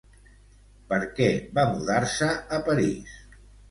Per què va mudar-se a París?